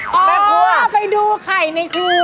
แม่ครัวไปดูไข่ในครัว